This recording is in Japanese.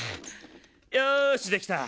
よしできた。